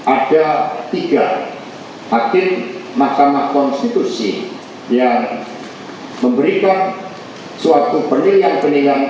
ada tiga hakim mahkamah konstitusi yang memberikan suatu penilaian perlindungan